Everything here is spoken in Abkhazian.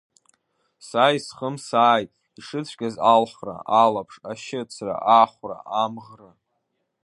Са исхымсааит ишыцәгьаз алхра, алаԥш, ашьыцра, ахәра, амӷра.